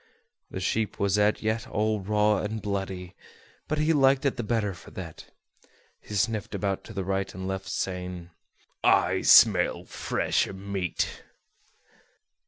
The sheep was as yet all raw and bloody; but he liked it the better for that. He sniffed about to the right and left, saying: "I smell fresh meat."